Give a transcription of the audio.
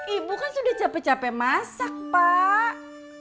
ibu kan sudah capek capek masak pak